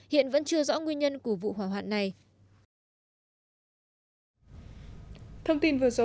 hiện vẫn chưa rõ nguyên nhân của vụ hỏa hoạn này